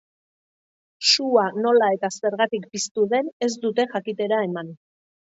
Sua nola eta zergatik piztu den ez dute jakitera eman.